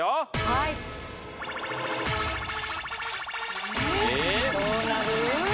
はいどうなる？